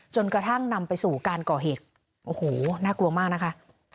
จนกระทั่งนำไปสู่การก่อเหตุโอ้โหน่ากลัวมากนะคะ